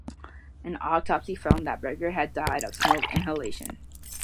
An autopsy found that Berger had died of smoke inhalation.